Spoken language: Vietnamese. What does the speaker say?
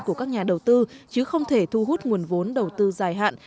của các nhà đầu tư chứ không thể thu hút nguồn vốn đầu tư dài hạn